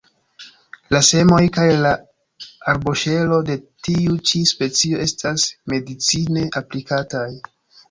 La semoj kaj la arboŝelo de tiu ĉi specio estas medicine aplikataj.